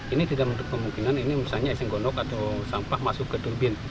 ini tidak menentuk kemungkinan eseng gondok atau sampah masuk ke turbin